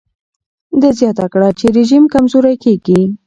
ده زیاته کړه چې رژیم کمزوری کېږي.